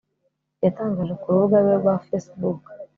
yatangaje ku rubuga rwe rwa Facebook